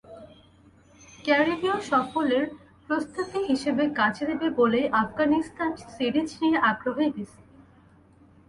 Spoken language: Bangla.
ক্যারিবীয় সফরের প্রস্তুতি হিসেবে কাজে দেবে বলেই আফগানিস্তান সিরিজ নিয়ে আগ্রহী বিসিবি।